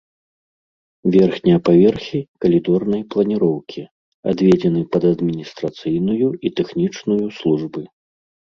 Верхнія паверхі калідорнай планіроўкі, адведзены пад адміністрацыйную і тэхнічную службы.